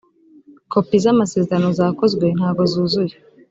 kopi z’amasezerano zakozwe ntago zuzuye